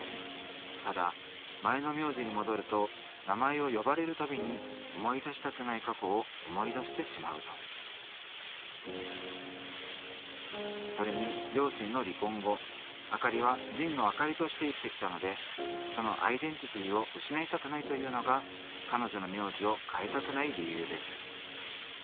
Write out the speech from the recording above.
ただ前の名字に戻ると名前を呼ばれるたびに思い出したくない過去を思い出してしまうとそれに両親の離婚後明里は「神野明里」として生きてきたのでそのアイデンティティーを失いたくないというのが彼女の名字を変えたくない理由です